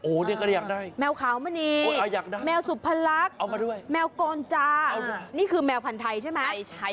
โอ้นี่ก็ได้แมวขาวมะนีแมวสุพรรคแมวกรณ์จานี่คือแมวพันธ์ไทยใช่มั้ย